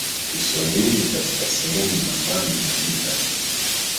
Kiswahili katika sehemu za ndani Lakini katika